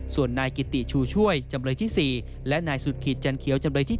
ส่วนนายกิติชูช่วยจำเลยที่๔และนายสุดขีดจันเขียวจำเลยที่๑